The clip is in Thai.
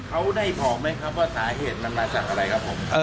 เขาได้บอกไหมครับว่าสาเหตุมันมาจากอะไรครับผม